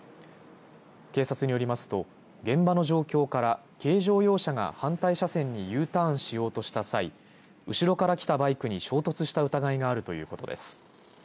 警察によりますと現場の状況から軽乗用車が反対車線にＵターンしようとした際後ろから来たバイクに衝突した疑いがあるということです。